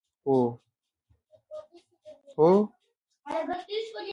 هو.